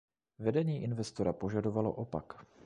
Vedení investora požadovalo opak.